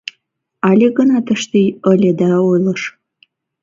Але гына тыште ыле да ойлыш.